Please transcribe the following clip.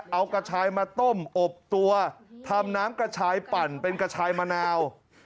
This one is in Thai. เอากระชายมาต้มอบตัวทำน้ำกระชายปั่นเป็นกระชายมะนาว